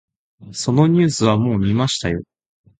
そのニュースはもう見ましたよ。